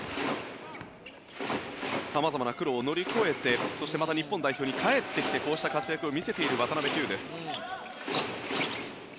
様々な苦労を乗り越えてそしてまた日本代表に帰ってきて、こうした活躍を見せている渡邉飛勇です。